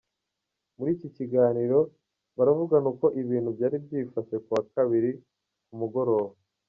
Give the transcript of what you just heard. Muri iki kiganiro, baravugana uko ibintu byari byifashe kuwa kabiri ku mugoroba.